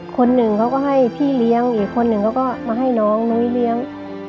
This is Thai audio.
คนหนึ่งเขาก็ให้พี่เลี้ยงอีกคนหนึ่งเขาก็มาให้น้องนุ้ยเลี้ยง